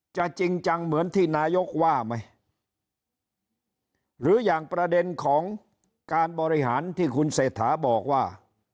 จริงจังเหมือนที่นายกว่าไหมหรืออย่างประเด็นของการบริหารที่คุณเศรษฐาบอกว่า